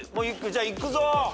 じゃあいくぞ。